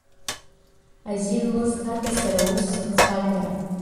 Азин лызҭада сара ус сыхцәажәара?